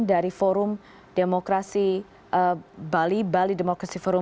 dari forum demokrasi bali bali demokrasi forum